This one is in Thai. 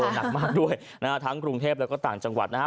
เออหนักมากด้วยทั้งกรุงเทพแล้วก็ต่างจังหวัดนะครับ